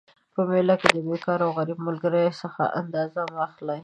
په میله کي د بیکاره او غریب ملګري څخه انداز مه اخلئ